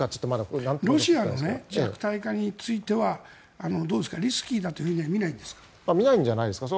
ロシアの弱体化についてはどうですかリスキーだとは見ないんですか？